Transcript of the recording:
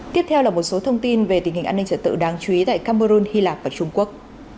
tiếp theo là một số thông tin về tình hình an ninh trật tự đáng chú ý tại cameron hy lạp và trung quốc